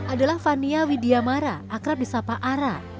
adalah fania widiamara akrab di sapaara